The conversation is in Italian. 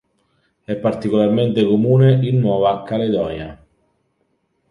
È particolarmente comune in Nuova Caledonia.